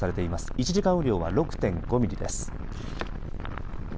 １時間雨量は６．５ミリです。